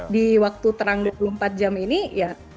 di waktu terang dua puluh empat jam ini ya